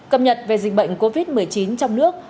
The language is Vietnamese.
cập nhật về dịch bệnh covid một mươi chín trong nước